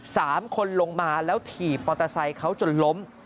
สามคนลงมาแล้วถีบมอเตอร์ไซค์เขาจนล้ม